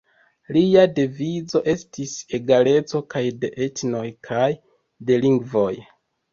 Lia devizo estis egaleco kaj de etnoj kaj de lingvoj.